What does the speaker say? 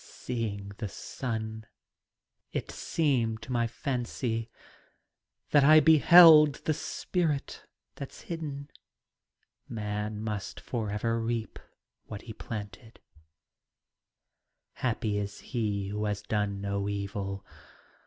Student. ''Seeing the sun, it seemed to my fancy That I beheld the Spirit that's hidden. Man must for ever reap what he planted: Happy is he who has done no evil.